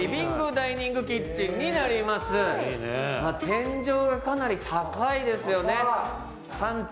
天井がかなり高いですよね。